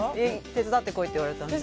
手伝ってこいって言われたんで。